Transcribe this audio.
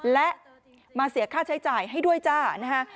และมาเสียค่าใช้จ่ายให้ด้วยจ้านะคะ